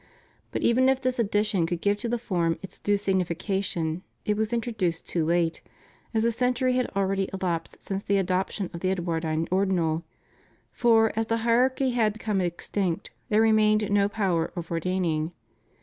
But even if this addition could give to the form its due signification, it was intro duced too late, as a century had already elapsed since the adoption of the Edwardine Ordinal, for, as the hierarchy had become extinct, there remained no power of ordain ing.